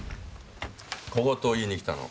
小言を言いに来たの。